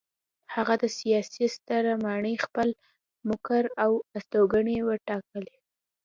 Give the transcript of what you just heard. هغه د سلاسي ستره ماڼۍ خپل مقر او استوګنځی وټاکله.